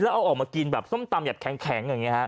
แล้วเอาออกมากินแบบส้มตำแยบแข็ง